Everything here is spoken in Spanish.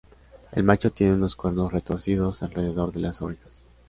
El macho tiene unos cuernos retorcidos alrededor de las orejas.